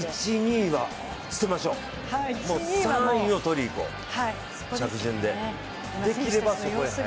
１位、２位は捨てましょう、３位をとりに行こう、着順で。